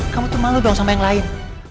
kamu tuh malu doang sama yang lain